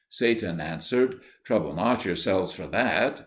Satan answered, "Trouble not yourselves for that.